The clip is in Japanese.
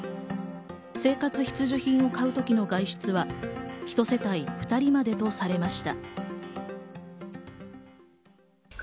生活必需品を買うときの外出は一世帯２人までとされました。